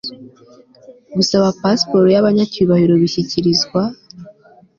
gusaba pasiporo y abanyacyubahiro bishyikirizwa